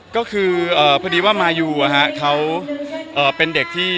ก็คือพอดีว่ามายูเขาเป็นเด็กที่